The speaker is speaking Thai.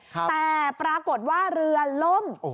แต่ปรากฏว่าเรือล่ม